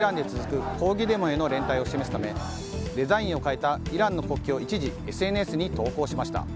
アメリカのサッカー連盟がイランで続く抗議デモへの連帯を示すためデザインを変えたイランの国旗を一時、ＳＮＳに投稿しました。